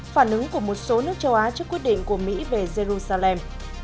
phản ứng của một số nước châu á trước quyết định của mỹ về jerusalem